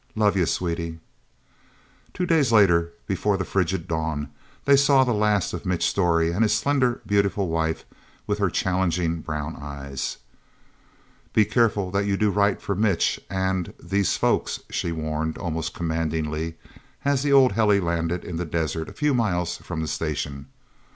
"Love yuh, Sweetie..." Two days later, before the frigid dawn, they saw the last of Mitch Storey and his slender, beautiful wife with her challenging brown eyes. "Be careful that you do right for Mitch and these folks," she warned almost commandingly as the old heli landed in the desert a few miles from the Station.